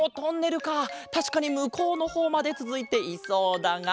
たしかにむこうのほうまでつづいていそうだが。